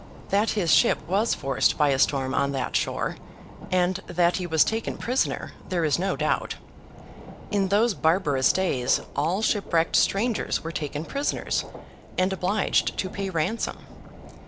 That his ship was forced by a storm on that shore, and that he was taken prisoner, there is no doubt. In those barbarous days, all shipwrecked strangers were taken prisoners, and obliged to pay ransom.